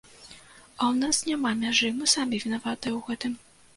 А ў нас няма мяжы, мы самі вінаватыя ў гэтым.